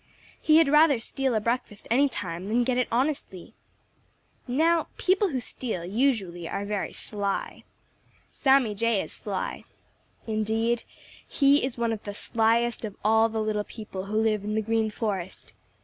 He had rather steal a breakfast any time than get it honestly. Now people who steal usually are very sly. Sammy Jay is sly. Indeed, he is one of the slyest of all the little people who live in the Green Forest.